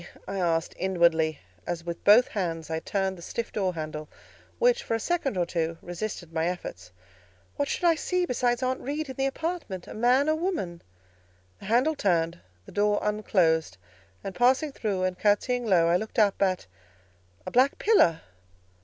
I asked inwardly, as with both hands I turned the stiff door handle, which, for a second or two, resisted my efforts. "What should I see besides Aunt Reed in the apartment?—a man or a woman?" The handle turned, the door unclosed, and passing through and curtseying low, I looked up at—a black pillar!